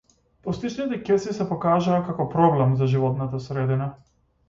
Пластичните кеси се покажаа како проблем за животната средина.